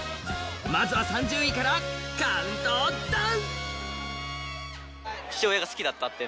まずは３０位からカウントダウン！